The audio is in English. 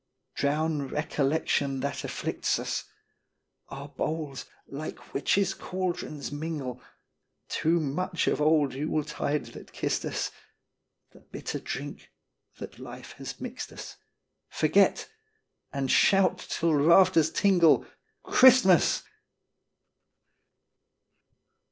Drown recollection that afflicts us Our bowls, like witches' caldrons, mingle Too much of old Yule tide that kissed us The bitter drink that Life has mixed us Forget, and shout till rafters tingle "Christmas!"